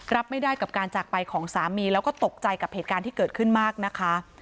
รับไม่ได้กับการจากไปของสามีแล้วก็ตกใจกับเหตุการณ์ที่เกิดขึ้นมากนะคะ